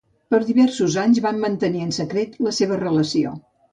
Per diversos anys van mantenir en secret la seva relació.